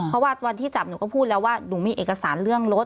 เพราะว่าวันที่จับหนูก็พูดแล้วว่าหนูมีเอกสารเรื่องรถ